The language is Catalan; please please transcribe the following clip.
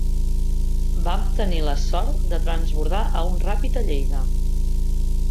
Vam tenir la sort de transbordar a un ràpid a Lleida